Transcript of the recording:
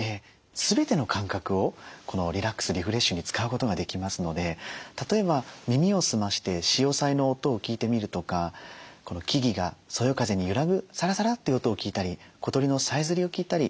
全ての感覚をこのリラックスリフレッシュに使うことができますので例えば耳をすまして潮騒の音を聴いてみるとか木々がそよ風に揺らぐサラサラという音を聴いたり小鳥のさえずりを聴いたり。